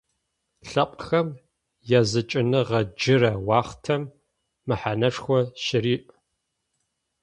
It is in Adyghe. Лъэпкъхэм языкӏыныгъэ джырэ уахътэм мэхьанэшхо щыриӏ.